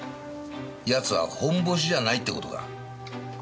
奴はホンボシじゃないって事か？